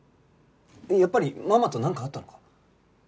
やっぱりママとなんかあったのか？